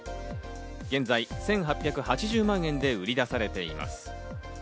現在、１８８０万円で売り出されています。